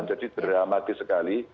jadi dramatis sekali